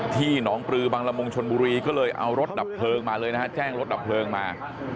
หนองปลือบังละมุงชนบุรีก็เลยเอารถดับเพลิงมาเลยนะฮะแจ้งรถดับเพลิงมา